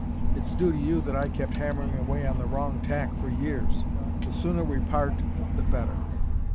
It's due to you that I kept hammering away on the wrong tack for years. The sooner we part, the better."